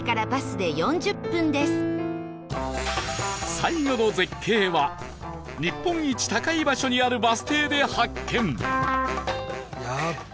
最後の絶景は日本一高い場所にあるバス停で発見